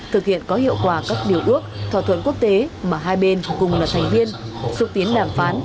thực hiện có hiệu quả các điều ước thỏa thuận quốc tế mà hai bên cùng là thành viên xúc tiến đàm phán